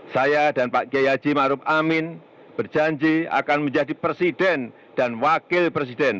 saya dan pak giyaji maruf amin berjanji akan menjadi presiden dan wakil presiden